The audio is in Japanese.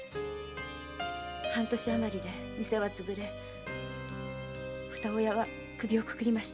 半年あまりで店はつぶれふた親は首をくくりました！